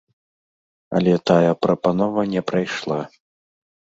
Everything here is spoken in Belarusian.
Але тая прапанова не прайшла.